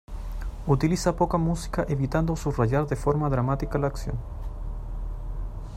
Utiliza poca música, evitando subrayar de forma dramática la acción.